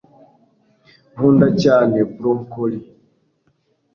nkunda cyane broccoli